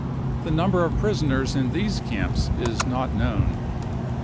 The number of prisoners in these camps is not known.